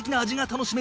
楽しみ！